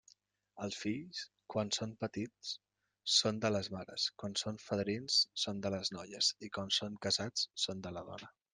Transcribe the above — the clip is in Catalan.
Els fills, quan són petits són de les mares, quan són fadrins són de les noies i quan són casats són de la dona.